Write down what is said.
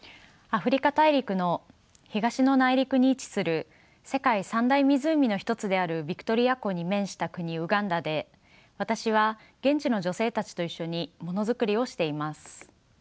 アフリカ大陸の東の内陸に位置する世界三大湖の一つであるヴィクトリア湖に面した国ウガンダで私は現地の女性たちと一緒にものづくりをしています。